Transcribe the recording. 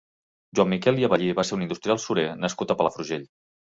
Joan Miquel i Avellí va ser un industrial surer nascut a Palafrugell.